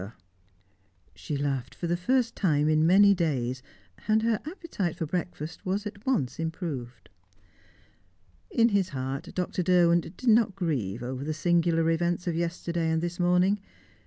She laughed for the first time in many days, and her appetite for breakfast was at once improved. In his heart, Dr. Derwent did not grieve over the singular events of yesterday and this morning.